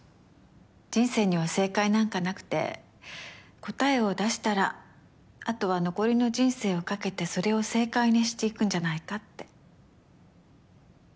人生には正解なんかなくて答えを出したら後は残りの人生をかけてそれを正解にしていくんじゃないかって。